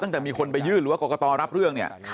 ตั้งแต่มีคนไปยื่นหรือว่ากรกตรับเรื่องเนี่ย